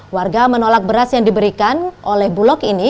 warga menolak beras yang diberikan oleh bulog ini